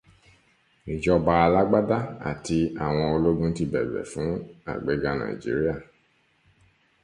ìjọba alágbádá àti àwọn ológun ti bẹ̀bẹ̀ fún àgbéga Nàíjíríà